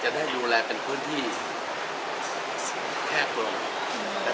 ได้ดูแลเป็นพื้นที่แคบลง